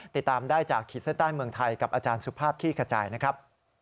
ติดตามได้จากขีดเส้นใต้เมืองไทยกับอาจารย์สุภาพขี้กระจายนะครับ